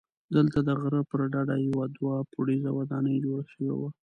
دلته د غره پر ډډه یوه دوه پوړیزه ودانۍ جوړه شوې وه.